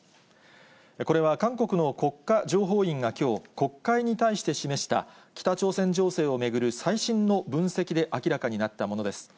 これは韓国の国家情報院がきょう、国会に対して示した、北朝鮮情勢を巡る最新の分析で明らかになったものです。